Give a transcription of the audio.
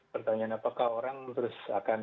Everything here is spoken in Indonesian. pertanyaan apakah orang terus akan